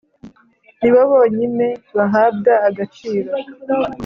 ni bo bonyine bahabwa agaciro